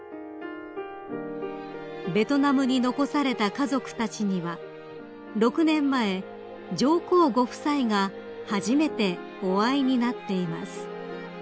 ［ベトナムに残された家族たちには６年前上皇ご夫妻が初めてお会いになっています］